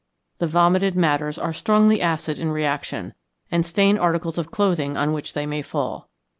The vomited matters are strongly acid in reaction, and stain articles of clothing on which they may fall.